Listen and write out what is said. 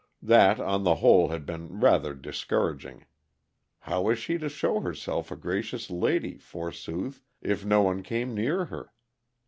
That, on the whole, had been rather discouraging. How was she to show herself a gracious lady, forsooth, if no one came near her?